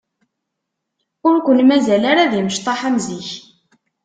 Ur ken-mazal ara d imecṭaḥ am zik.